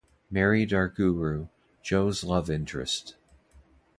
Mary Dargurru, Joe's love interest.